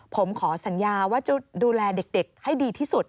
ผมขอสัญญาว่าจะดูแลเด็กให้ดีที่สุด